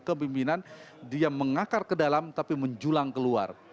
kepimpinan dia mengakar ke dalam tapi menjulang keluar